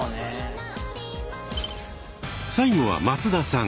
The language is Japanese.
最後は松田さん。